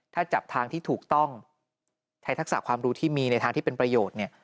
ถ้าจับทางที่ถูกต้องใช้ทักษะความรู้ที่มีในทางที่เป็นประโยชน์เนี่ย